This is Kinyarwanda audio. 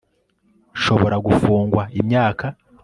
nshobora gufungwa imyaka